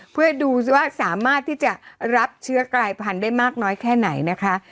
เพื่อดูสิว่าสามารถที่จะรับเชื้อกลายพันธุ์ได้มากน้อยแค่ไหนนะคะ